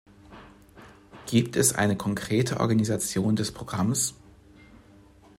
Gibt es eine konkrete Organisation des Programms?